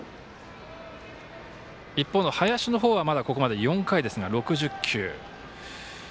一方の林の方は、ここまで４回ですが、６０球。